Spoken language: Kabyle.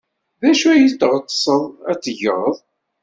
D acu ay tɣetsed ad t-tged?